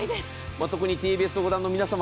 特にＴＢＳをご覧の皆さん